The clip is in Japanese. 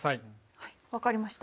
はい分かりました。